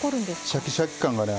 シャキシャキ感がね